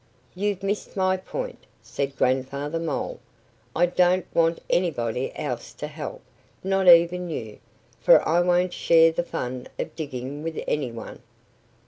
"You've missed my point," said Grandfather Mole. "I don't want anybody else to help not even you! For I won't share the fun of digging with any one."